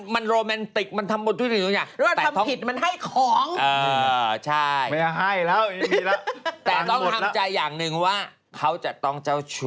มันโรแมนติกมันทำบททุกอย่าง